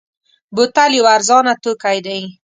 بوتل یو ارزانه توکی دی.